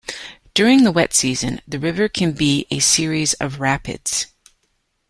During the wet season, the river can be a series of rapids.